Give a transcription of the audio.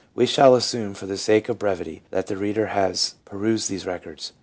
We shall assume, for the sake of brevity, that the reader has perused these records.